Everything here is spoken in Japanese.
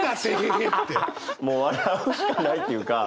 もう笑うしかないっていうか。